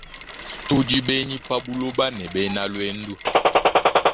Tudi benyi pa buloba ne bena luendu.